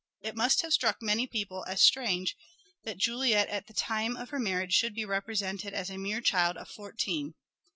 It must have struck many people c l as strange that Juliet at the time of her marriage should be represented as a mere child of fourteen.